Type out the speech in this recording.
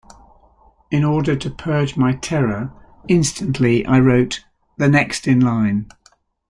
In order to purge my terror, instantly, I wrote 'The Next in Line.